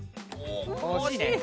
おしいね。